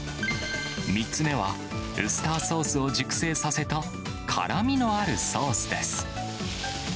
３つ目は、ウスターソースを熟成させた辛みのあるソースです。